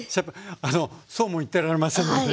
あのそうも言ってられませんので。